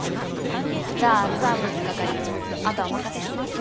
じゃあ石蕗係長あとはお任せします。